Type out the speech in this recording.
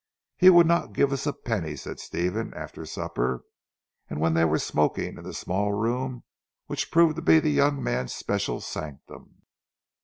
"He would not give us a penny," said Stephen after supper, and when they were smoking in the small room which proved to be the young man's special sanctum.